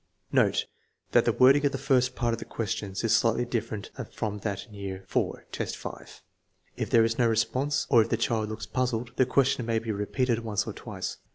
Note that the wording of the first part of the ques tions is slightly different from that in year IV, test 5. If there is no response, or if the child looks puzzled, the question may be repeated once or twice.